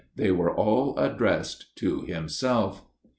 They were all addressed to himself.